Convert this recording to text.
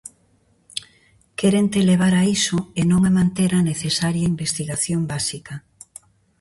Quérente levar a iso e non a manter a necesaria investigación básica.